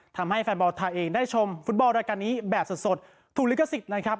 ทำให้แฟนบอลไทยเองได้ชมฟุตบอลรายการนี้แบบสดถูกลิขสิทธิ์นะครับ